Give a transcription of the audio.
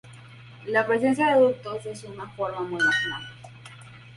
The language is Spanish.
La presencia de adultos solo es de forma muy marginal.